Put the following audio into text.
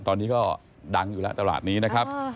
ตอนนี้ก็ดังอยู่แล้วตลาดนี้นะครับ